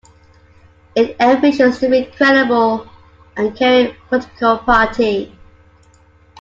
It envisions to be a credible and caring political party.